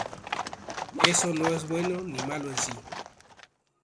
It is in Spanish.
Eso no es bueno ni malo en sí.